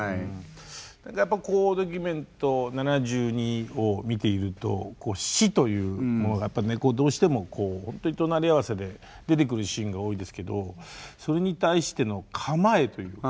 やっぱ「ドキュメント７２」を見ていると死というものがどうしてもほんとに隣り合わせで出てくるシーンが多いですけどそれに対しての構えというのが。